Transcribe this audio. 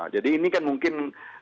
jadi ini kan mungkin